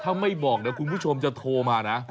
ถ้าไม่บอกเดี๋ยวคุณผู้ชมจะโทรมานะ